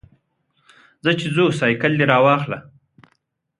ځه چې ځو، سایکل دې راواخله.